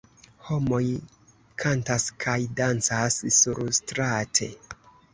Homoj kantas kaj dancas surstrate.